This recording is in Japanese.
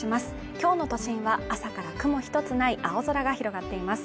今日の都心は朝から雲一つない青空が広がっています。